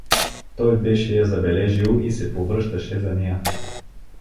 Той беше я забележил и се повръщаше за нея.